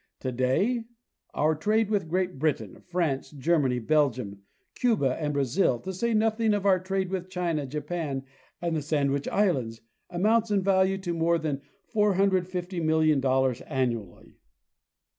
To day our trade with Great Britain, France, Germany, Belgium, Cuba and Brazil, to say nothing of our trade with China, Japan and the Sandwich islands, amounts in value to more than $45,000,000 annually.